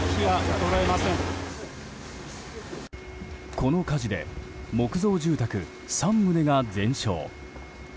この火事で木造住宅３棟が全焼。